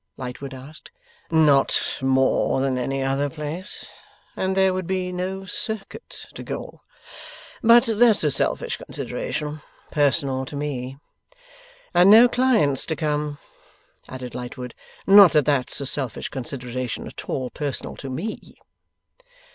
Lightwood asked. 'Not more than any other place. And there would be no Circuit to go. But that's a selfish consideration, personal to me.' 'And no clients to come,' added Lightwood. 'Not that that's a selfish consideration at all personal to ME.